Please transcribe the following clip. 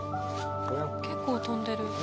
結構飛んでる。